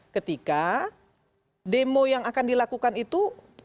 ketika demo yang akan dilakukan itu